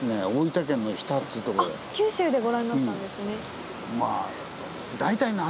九州でご覧になったんですね。